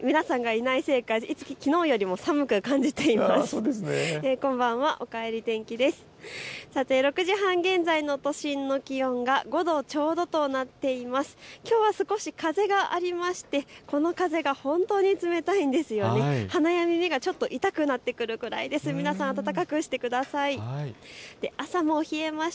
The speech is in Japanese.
きょうは皆さんがいないせいかきのうよりも寒く感じています。